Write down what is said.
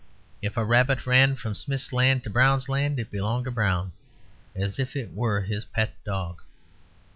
If a rabbit ran from Smith's land to Brown's land, it belonged to Brown, as if it were his pet dog.